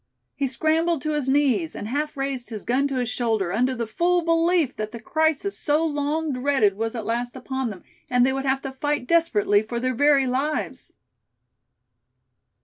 He scrambled to his knees, and half raised his gun to his shoulder, under the full belief that the crisis so long dreaded was at last upon them, and they would have to fight desperately for their very lives.